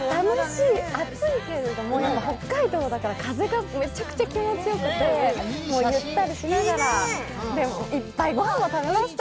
北海道だから風がめちゃくち気持ちよくてゆったりしながらいっぱいご飯も食べました。